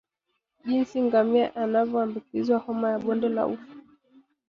Jinsi ngamia anavyoambukizwa Homa ya bonde la ufa